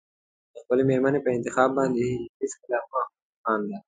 د خپلې مېرمنې په انتخاب باندې هېڅکله مه خانده.